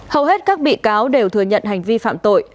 hầu hết các bị cáo đều thừa nhận hành vi phạm tội